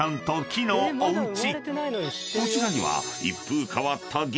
［こちらには］